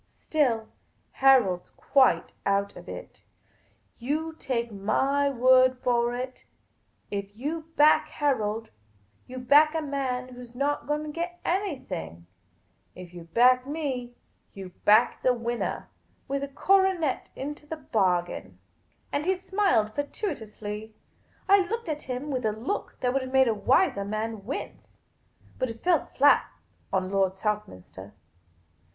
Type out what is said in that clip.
Still, Harold 's quite out of it. You take my word for it ; if you back Harold, you back a man who 's not going to get anything ; while if you back me, you back the winnah, with a coronet into the bargain." And he smiled fatuously. I looked at him with a look that would have made a wiser man wince. But it fell flat on Lord Southminster.